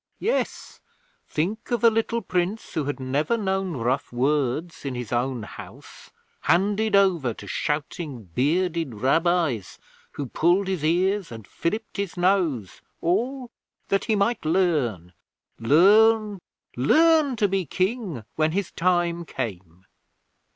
Yes! Think of a little Prince who had never known rough words in his own house handed over to shouting, bearded Rabbis, who pulled his ears and filliped his nose, all that he might learn learn learn to be King when his time came.